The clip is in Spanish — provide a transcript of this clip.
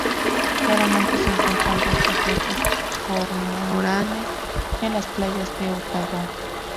Raramente se encuentran restos de estos cormoranes en las playas de Otago.